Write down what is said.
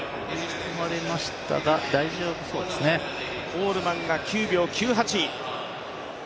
コールマンが９秒９８。